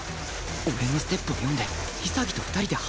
俺のステップを読んで潔と２人で挟みにきた？